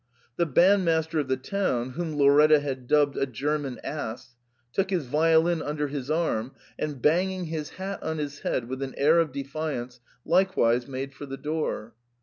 The bandmaster of the town, whom Lauretta had dubbed a 'German ass!' took his violin under his arm, and, banging his hat on his head with an air of defiance, likewise made for the door.